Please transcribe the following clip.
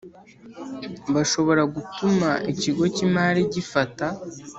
Bashobora gutuma ikigo cy imari gifata